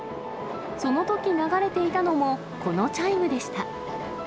そのとき流れていたのも、このチャイムでした。